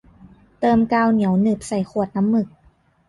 เติมกาวเหนียวหนึบใส่ขวดน้ำหมึก